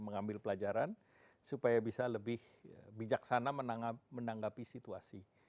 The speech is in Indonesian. mengambil pelajaran supaya bisa lebih bijaksana menanggapi situasi